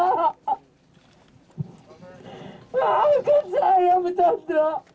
maafkan saya bu chandra